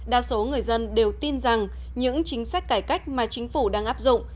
đa số người dân đều tin rằng những chính sách cải cách mà chính phủ đang áp dụng